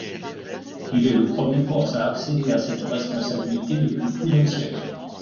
Il est le premier corse à accéder à cette responsabilité depuis plus d'un siècle.